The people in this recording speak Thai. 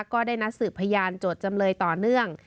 ก็ได้นัดสืบพยานโจทย์จำเลยต่อเนื่อง